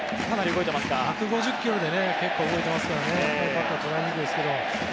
１５０キロで結構動いていますからバッターは捉えにくいですけど。